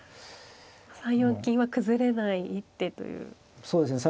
３四金は崩れない一手という感じでしょうか。